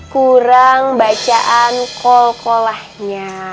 kurang bacaan kolkolahnya